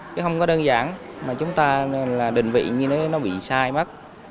chứ không có đơn giản mà chúng ta định vị như nó bị sai mất